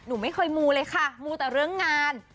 หนูไม่เคยมูเลยค่ะมูแต่เรื่องงาน